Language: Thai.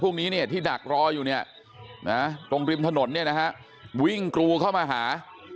พวกนี้เนี่ยที่ดักรออยู่เนี่ยนะตรงริมถนนเนี่ยนะฮะวิ่งกรูเข้ามาหา